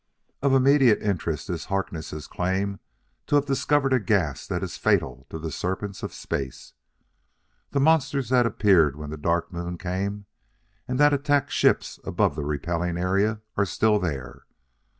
"Of immediate interest is Harkness' claim to have discovered a gas that is fatal to the serpents of space. The monsters that appeared when the Dark Moon came and that attacked ships above the Repelling Area are still there.